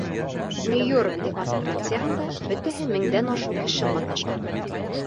Нью-Йорк демонстрацияһында бөтәһе меңдән ашыу кеше ҡатнашҡан.